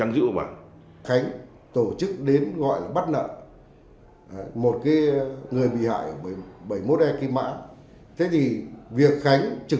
là nguyễn quang vinh